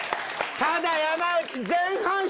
ただ山内。